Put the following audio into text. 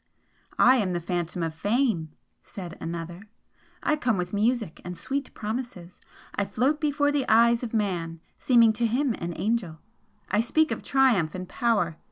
"I am the Phantom of Fame" said another "I come with music and sweet promises I float before the eyes of man, seeming to him an Angel! I speak of triumph and power!